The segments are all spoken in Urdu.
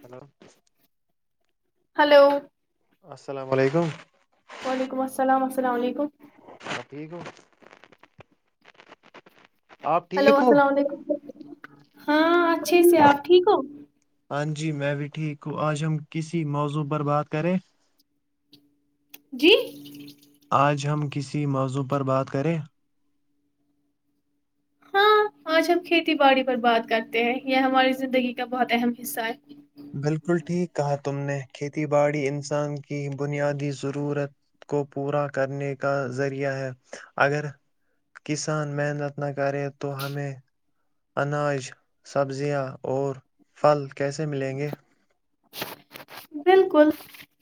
ہلو ہلو السلام علیکم وعلیکم السلام السلام علیکم ٹھیکو [unintelligible] ہیلو ٹھیک ہو السلام علیکم ہاں اچھے سے آپ ٹھیک ہو ہاں جی میں بھی ٹھیک ہوں آج ہم کسی موضوع پر بات کریں جی آج ہم کسی موضوع پر بات کریں ہاں آج ہم کھیتی باڑی پر بات کرتے ہیں یہ ہماری زندگی کا بہت اہم حصہ ہے بالکل ٹھیک کہا تم نے کھیتی باڑی انسان کی بنیادی ضرورت کو پورا کرنے کا ذریعہ ہے اگر کسان محنت نہ کرے تو ہمیں اناج سبزیاں اور پھل کیسے ملیں دے [unintelligible] بالکل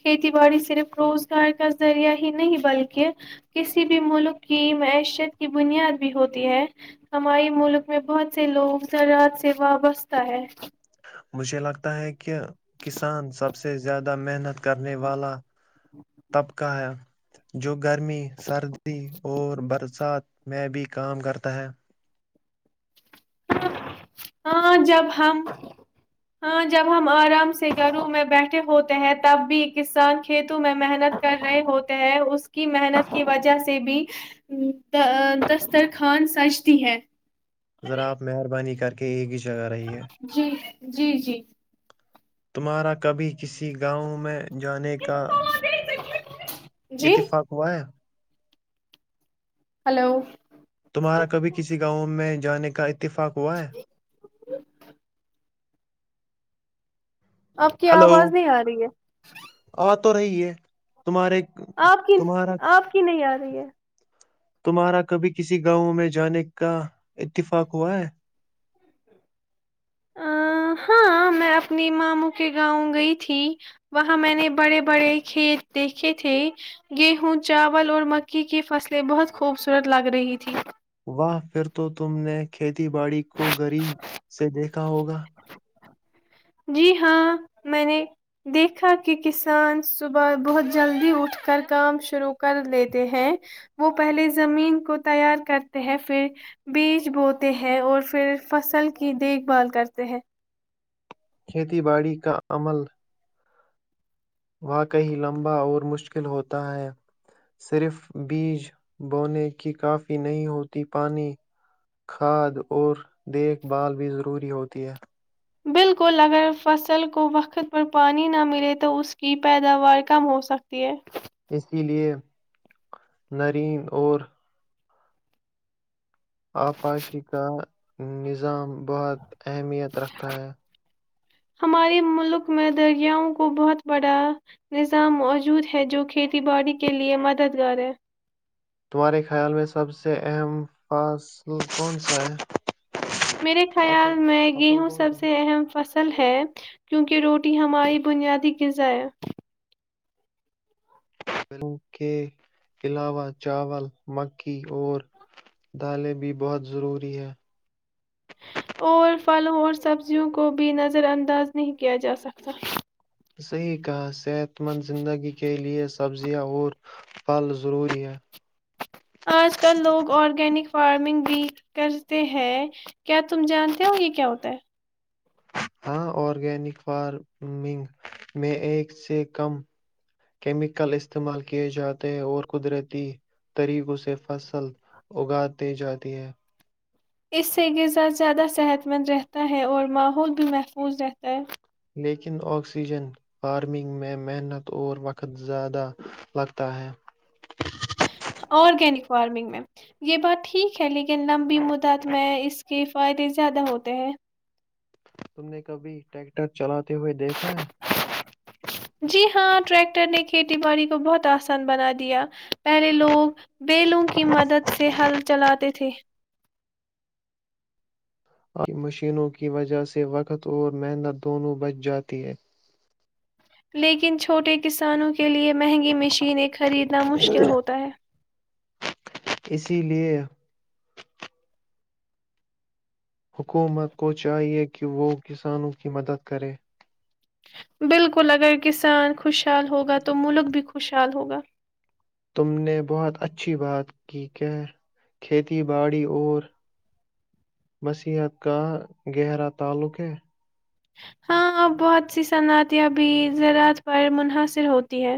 کھیتی باڑی صرف روزگار کا ذریعہ ہی نہیں بلکہ کسی بھی ملک کی معیشت کی بنیاد بھی ہوتی ہے ہماری ملک میں بہت سے لوگ زراعت سے وابستہ ہے مجھے لگتا ہے کہ کسان سب سے زیادہ محنت کرنے والا طبقہ ہے جوگ گرمی سردی اور برسات میں بھی کام کرتا ہے ہاں جب ہم ہاں جب ہم آرام سے گھروں میں بیٹھے ہوتے ہیں تب بھی کسان کھیتوں میں محنت کر رہے ہوتے ہیں اس کی محنت کی وجہ سے بھی دسترخوان سجتی ہے ذرا آپ مہربانی کر کے ایک جگہ رہی ہے جی جی جی تمہارا کبھی کسی گاؤں میں جانے کا ہ [unintelligible] اتفاق ہوا ہے ہلو تمہارا کبھی کسی گاؤں میں جانے کے ک اتفاقوا ج آپ کی ہلو آواز نہیں آ رہی ہے آ تو رہی ہے تمہارے آپ کی تمہارا آپ کی نہیں آ رہی ہے تمہارا کبھی کسی گاؤں میں جانے کا اتفاق ہوا ہے ا ہاں میں اپنی ماموں کے گاؤں گئی تھی وہاں میں نے بڑے بڑے کھیت دیکھے تھے گیہوں چاول اور مکی کی فصلیں بہت خوبصورت لگ رہی تھی وہاہ پھر تو تم نے کھیتی باڑی کو غریب سے دیکھا ہوگا جی ہاں میں نے دیکھا کہ کسان صبح بہت جلدی اٹھ کر کام شروع کر لیتے ہیں وہ پہلے زمین کو تیار کرتے ہیں پھر بیج بوتے ہیں اور پھر فصل کی دیکھ بھال کرتے ہیں کھیتی باڑی کا عمل واقعی لمبا اور مشکل ہوتا ہے صرف بیج بونے کی کافی نہیں ہوتی پانی کھاد اور دیکھ بھال بھی ضروری ہوتی ہے بالکل اگر فصل کو وقت پر پانی نہ ملے تو اس کی پیداوار کم ہو سکتی ہے اسی لیے نرین اور آپاشی کا نظام بہت اہمیت رکھتا ہے ہمارے ملک میں دریاؤوں کو بہت بڑا نظام موجود ہے جو کھیتی باڑی کے لیے مددگار ہے تمہارے خیال میں سب سے اہم فاصل کون سا ہے میرے فصل خیال میں فصل گیہوں کون سب سا ہے سے اہم فصل ہے کیونکہ روٹی ہماری بنیادی غذا ہے ان کے علاوہ چاول مکھی اور دالیں بھی بہت ضروری ہیں اور پھلوں اور سبزیوں کو بھی نظر انداز نہیں کیا جاسکتا صحیح کہاس صحت مند زندگی کے لئے سبزیاں اور پھل ضروری ہیں آج کل لوگ آرگینک فارمنگ بھی کرتے ہیں کیا تم جانتے ہو یہ کیا ہوتا ہے ہاں آرگینک فارمنگ میں ایک سے کم کیمیکل استعمال کیے جاتے ہیں اور قدرتی طریقوں سے فصل اگاتے جاتی ہے اس سے غذا زیادہ صحت مند رہتا ہے اور ماحول بھی محفوظ رہتا ہے لیکن آکسیجن فارمنگ میں محنت اور وقت زیادہ لگتا ہے وارمنگ میں یہ بات ٹھیک ہے لیکن لمبی مدت میں اس کے فائدے زیادہ ہوتے ہیں تم نے کبھی ٹریکٹر چلاتے ہوئے دیکھا ہے جی ہاں ٹریکٹر نے کھیتی باڑی کو بہت آسان بنا دیا پہلے لوگ بیلوں کی مدد سے ہل چلاتے تھے مشینوں کی وجہ سے وقت اور محنت دونوں بچ جاتی ہے لیکن چھوٹے کسانوں کے لئے مہنگی مشینیں خریدنا مشکل ہوتا ہے اسی لیے حکومت کو چاہیے کہ وہ کسانوں کی مدد کرے بالکل اگر کسان خوشحال ہوگا تو ملک بھی خوشحال ہوگا تم نے بہت اچھی بات کی کہ کھیتی باڑی اور مسیحت کا گہرا تعلق ہے ہاں ا بہت سی صنعتیاں بھی زراعت پر منحصر ہوتی ہے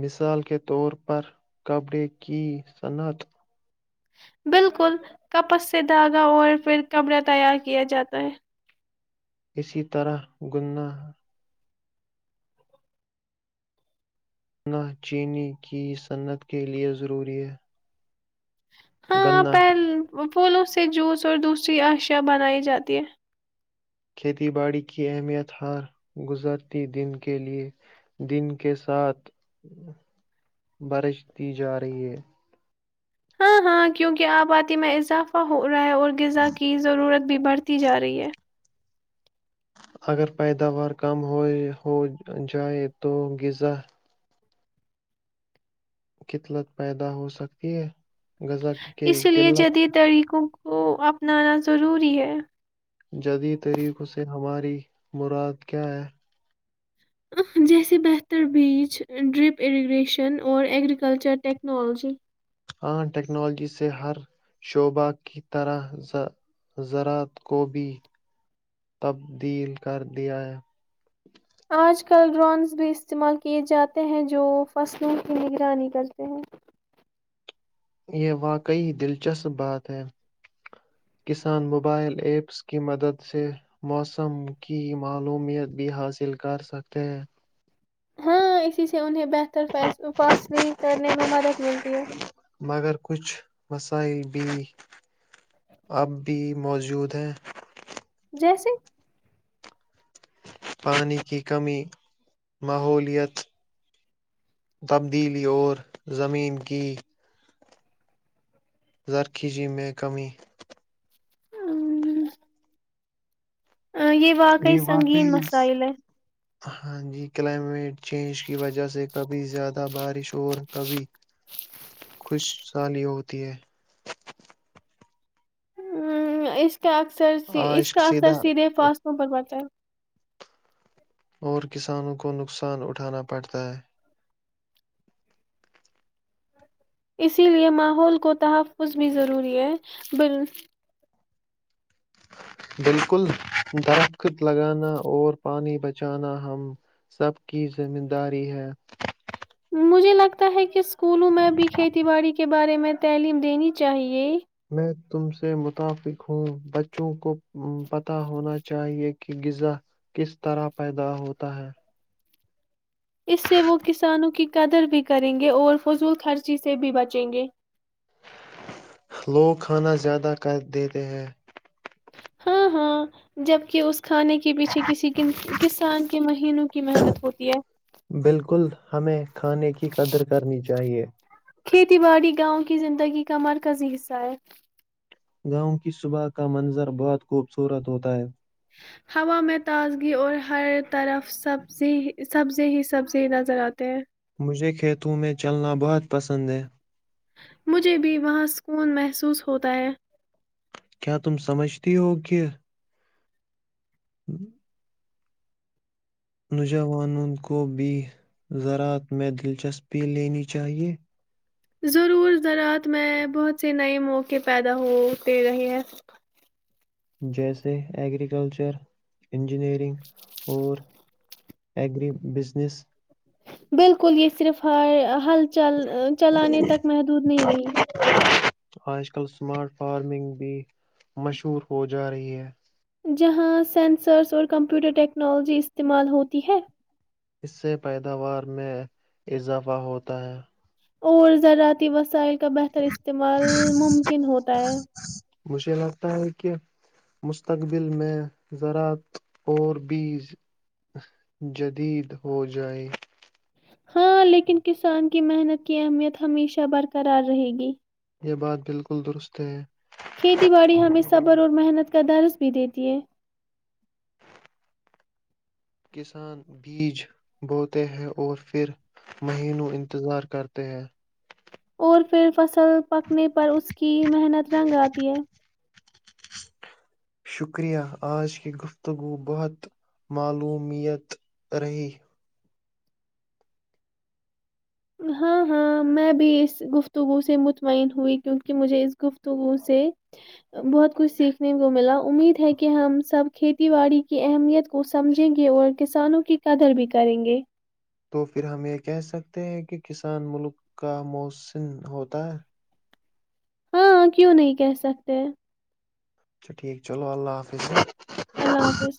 مثال کے طور پر کپڑے کی صنعت بالکل کپس سے دھاگا اور پھر کمرہ تیار کیا جاتا ہے اسی طرح گنا نا چینی کی صنعت کے لیے ضروری ہے ہاں گنا پین وہ پھولوں سے جوس اور دوسری اشیاء بنائی جاتی ہے کھیتی باڑی کی اہمیت ہر گزرتی دن کے لئے دن کے ساتھ برجتی جار رہی ہے ہاں ہاں کیونکہ آپ آتے میں اضافہ ہو رہا ہے اور غذا کی ضرورت بھی بڑھتی جا رہی ہے اگر پیداوار کم ہو جائے تو غذا قتلت پیدا ہو سکتی ہے غذا کی کہ اس لیے قلت جدید طریقوں وہ اپنانا ضروری ہے جدید طریقوں سے ہماری مراد کیا ہے جیسے بہتر بیچ ڈرپ اریگریشن اور ایگریکلچر ٹیکنالوجی ہاں ٹیکنالوجی سے ہر شعبہ کی طرح زذراعت کو بھی تبدیل کر دیا ہے آج کل ڈرونز بھی استعمال کیے جاتے ہیں جو فصلوں کی نگرانی کرتے ہیں یہ واقعی دلچسپ بات ہے کسان موبائل ایپس کی مدد سے موسم کی معلومیت بھی حاصل کر سکتے ہیں ہاں ایے انہیں بہتر ف فاسل کرنے میں مدد ملتی ہے مگر کچھ مسائل بھی اب بھی موجود ہیں جیسے پانی کی کمی ماحولت تبدیلی اور زمین کی زرخیجی میں کمی یہ واقعی سنگین مسرائل ہے ہاں جی کلائمیٹ چینج کی وجہ سے کب زیادہ بارش اور کبھی خوش سالی ہوتی ہے ہ اس اس کا اکثر اس آج کا اکثر سیدھا سیدھے فاصلوں پر بڑتا ہے اور کسانوں کو نقصان اٹھانا پڑتا ہے اسی لیے ماحول کو تحفظ بھی ضروری ہے ب بالکل دخت لگانا اور پانی بچانا ہم سب کی ذمہ داری ہے مجھے لگتا ہے کہ اسکولوں میں بھی کھیتی باڑی کے بارے میں تعلیم دینی چاہیے میں تم سے متفق ہوں بچوں کو پتہ ہونا چاہیے کہ غذا کس طرح پیدا ہوتا ہے اس سے وہ کسانوں کی قدر بھی کریں گے اور فضول خرچی سے بھی بچیں گے لوگ کھانا زیادہ کر دیتے ہیں ہاں ہاں جبک اس کھانے کے پیچھے کسی ک کسان کے مہینوں کی محنت ہوتی ہے بالکل ہمیں کھانے کی قدر کرنی چاہیے کھیتی باڑی گاؤں کی زندگی کا مرکزی حصہ ہے گاؤں کی صبح کا منظر بہت خوبصورت ہوتا ہے ہوا میں تازگی اور ہر طرف سبزی سبزی ہی سبزی نظر آتے ہیں مجھے کھیتوں میں چلنا بہت پسند ہے مجھے بھی وہاں سکون محسوس ہوتا ہے کیا تم سمجھتی ہوگ؟ ہوں نوجوانوں کو بھی زراعت میں دلچسپی لینی چاہیئے ضرور زراعت میں بہت سے نئے موقع پیدا ہوتے رہے ہیں جیسے ایگریکلچر انجینئرنگ اور ایری بزنس بالکل یہ صرف ہر ہل چل چلانے تک محدود نہیں رہی آج کل اسمارٹ فارمنگ بھی مشہور ہو جا رہی ہے جہاں سینسرس اور کمپیوٹر ٹیکنالوجی استعمال ہوتی ہے اس سے پیداوار میں اضافہ ہوتا ہے اور زراعتی وسائل کا بہتر استعمال ممکن ہوتا ہے مجھے لگتا ہے کہ مستقبل میں زراعت اور بھی جدید ہو جائے ہاں لیکن کسان کی محنت کی اہمیت ہمیشہ برقرار رہے گی یہ بات بالکل درست ہے کھیتی باڑی ہمیں کھیتی باڑی صبر اور محنت کا درس بھی دیتی د [unintelligible] کسان بیج بوتے ہیں اور پھر مہینوں انتظار کرتے ہیں اور پھر فصل پکنے پر اس کی محنت رنگ آتی ہے شکریہ آج کی گفتگو بہت معلومیت رہی ہاں ہاں میں بھی اس گفتگو سے مطمئن ہوئی کیونکہ مجھے اس گفتگو سے بہت کچھ سیکھنے کو ملا امید ہے کہ ہم سب کھیتی باڑی کی اہمیت کو سمجھیں گے اور کسانوں کی قدر بھی کریں گے تو پھر ہم یہ کہہ سکتے ہیں کہ کسان ملک کا موسن ہوتا ہے ہاں کیوں نہیں کہہ سکتے اچھا ٹھیک چلو اللہ حافظ اللہ حافظ